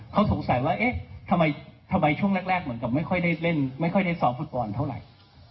เขาสงสัยว่าเอ๊ะทำไมช่วงแรกเหมือนกับไม่ค่อยได้เล่นไม่ค่อยได้ซ้อมฟุตบอลเท่าไหร่